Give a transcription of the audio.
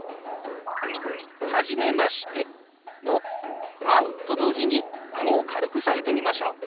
「初めまして」の「会う」と同時にあごを軽く下げてみましょう。